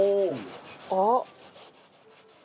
あっ。